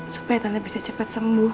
supaya tantenya bisa cepat sembuh